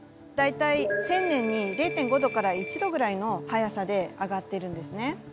大体１，０００年に０．５度から１度ぐらいの速さで上がってるんですね。